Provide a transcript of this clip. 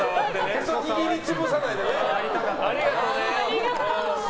へそ、握り潰さないでね。